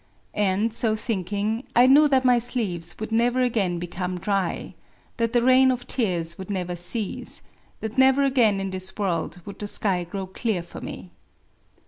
And, SO thinking, I knew that my sleeves would never again become dry, — that the rain [of tears'^ would never cease, — that never again in this world would the sky grow clear for me.